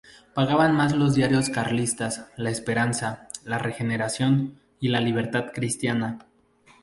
Pagaban más los diarios carlistas "La Esperanza", "La Regeneración" y "La Libertad Cristiana".